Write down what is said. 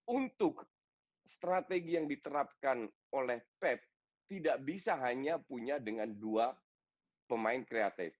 untuk strategi yang diterapkan oleh pep tidak bisa hanya punya dengan dua pemain kreatif